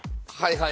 はい。